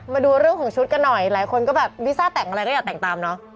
มาดูเรื่องของชุดกันหน่อยหลายคนก็แบบลิซ่าแต่งอะไรก็อยากแต่งตามเนอะ